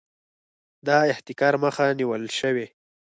د احتکار مخه نیول شوې؟